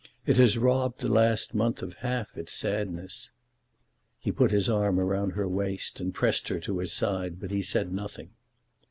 It has robbed the last month of half its sadness." He put his arm round her waist and pressed her to his side, but he said nothing.